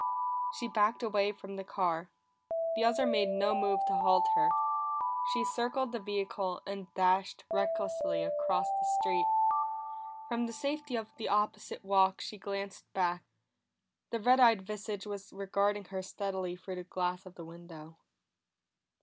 She backed away from the car; the other made no move to halt her. She circled the vehicle and dashed recklessly across the street. From the safety of the opposite walk she glanced back; the red eyed visage was regarding her steadily through the glass of the window.